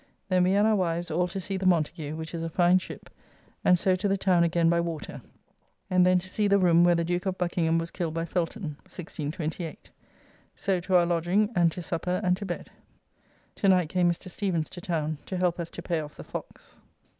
Then we and our wives all to see the Montagu, which is a fine ship, and so to the town again by water, and then to see the room where the Duke of Buckingham was killed by Felton. 1628. So to our lodging, and to supper and to bed. To night came Mr. Stevens to town to help us to pay off the Fox.